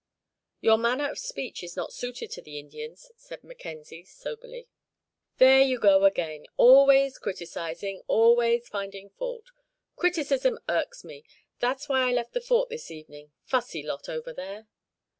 "Your manner of speech is not suited to the Indians," said Mackenzie, soberly. "There you go again always criticising, always finding fault. Criticism irks me. That's why I left the Fort this evening. Fussy lot, over there."